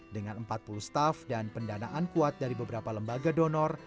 dengan empat puluh staff dan pendanaan kuat dari beberapa lembaga donor